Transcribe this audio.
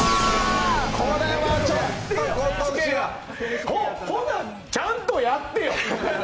これはちょっと今年はほな、ちゃんとやってよ。